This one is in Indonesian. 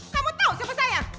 kamu tau siapa saya